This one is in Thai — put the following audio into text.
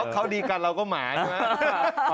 เขาดีกันเราก็หมาใช่ไหม